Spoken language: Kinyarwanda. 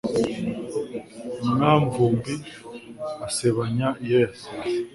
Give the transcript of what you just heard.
mwanvumbi asebanya iyo yasinze